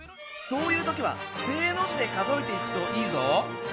そういう時は「正」の字で数えていくといいぞ！